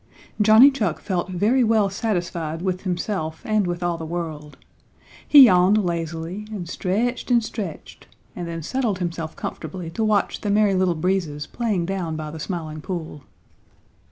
Johnny Chuck felt very well satisfied with himself and with all the world. He yawned lazily and stretched and stretched and then settled himself comfortably to watch the Merry Little Breezes playing down by the Smiling Pool.